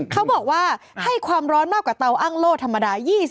เขาบอกว่าให้ความร้อนมากกว่าเตาอ้างโล่ธรรมดา๒๐